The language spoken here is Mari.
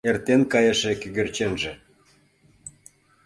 Эртен кайыше кӧгӧрченже